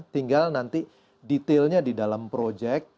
tinggal nanti detailnya di dalam proyek